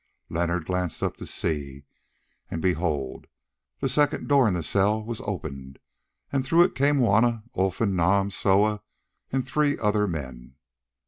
Leonard glanced up to see, and behold! the second door in the cell was opened, and through it came Juanna, Olfan, Nam, Soa, and three other men.